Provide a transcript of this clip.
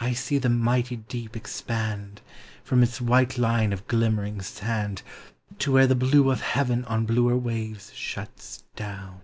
I see the mighty deep expand From its white line of glimmering sand To where the blue of heaven on bluer waves shuts down